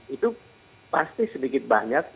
itu pasti sedikit banyak